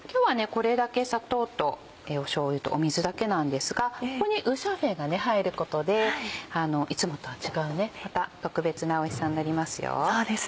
これだけ砂糖としょうゆと水だけなんですがここに五香粉が入ることでいつもとは違うまた特別なおいしさになりますよ。